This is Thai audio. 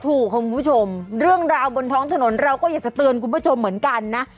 คุณผู้ชมเรื่องราวบนท้องถนนเราก็อยากจะเตือนคุณผู้ชมเหมือนกันนะ